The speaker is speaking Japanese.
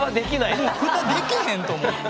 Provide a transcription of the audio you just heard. フタできへんと思って。